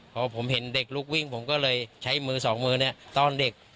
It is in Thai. พอผมเห็นเด็กลุกวิ่งผมก็เลยใช้มือสองมือเนี่ยตอนเด็ก